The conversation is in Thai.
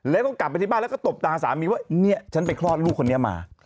แล้วก็กลับไปที่บ้านแล้วก็ตบตาสามีว่าเนี่ยฉันไปคลอดลูกคนนี้มา